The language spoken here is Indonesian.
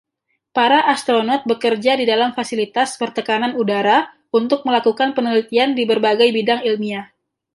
Para astronaut bekerja di dalam fasilitas bertekanan udara untuk melakukan penelitian di berbagai bidang ilmiah.